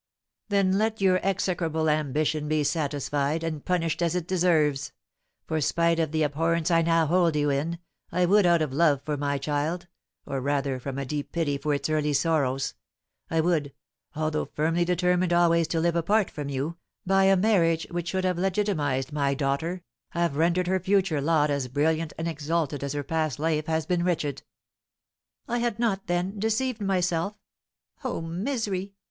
"Then let your execrable ambition be satisfied, and punished as it deserves; for, spite of the abhorrence I now hold you in, I would, out of love for my child, or, rather, from a deep pity for its early sorrows, I would, although firmly determined always to live apart from you, by a marriage which should have legitimised my daughter, have rendered her future lot as brilliant and exalted as her past life has been wretched." "I had not, then, deceived myself? Oh, misery!